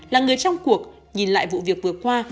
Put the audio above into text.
là người trong cuộc nhìn lại vụ việc vừa qua